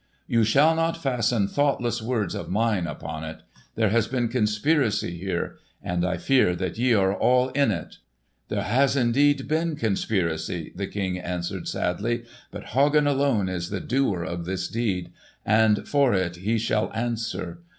"You shall not fasten thoughtless words of mine upon it. There has been conspiracy here, and I fear that ye all are in it." "There has indeed been conspiracy," the King answered sadly; "but Hagen alone is the doer of this deed, and for it he shall answer.